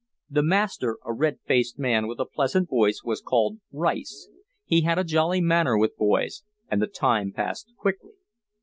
The master, a red faced man with a pleasant voice, was called Rice; he had a jolly manner with boys, and the time passed quickly.